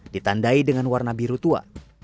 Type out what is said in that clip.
ditandai dengan warna biru tua